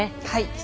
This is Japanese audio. はい。